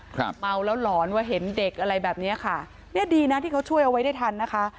เมาแล้วหลอนว่าเห็นเด็กอะไรแบบเนี้ยค่ะเนี้ยดีนะที่เขาช่วยเอาไว้ได้ทันนะคะ